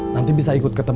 nanti bisa ikut ketemu